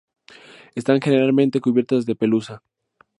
Están generalmente cubiertas de pelusa.